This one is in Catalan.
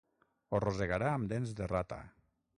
Ho rosegarà amb dents de rata.